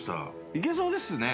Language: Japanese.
いけそうですね。